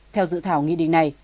theo dự thảo nghi định này